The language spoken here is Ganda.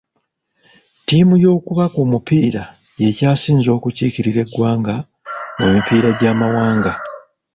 Ttiimu y'okubaka omupiira yeekyasinze okukiikirira eggwanga mu mipiira gy'amawanga.